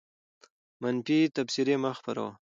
منفي تبصرې مه خپروه.